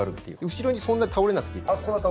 後ろにそんなに倒れなくていいです。